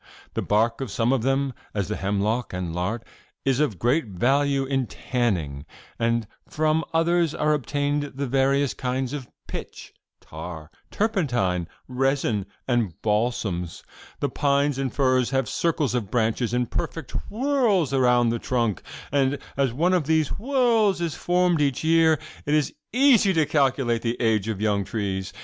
The bark of some of them, as the hemlock and larch, is of great value in tanning, and from others are obtained the various kinds of pitch, tar, turpentine, resin and balsams,' The pines and firs have circles of branches in imperfect whorls around the trunk, and, as one of these whorls is formed each year, it is easy to calculate the age of young trees.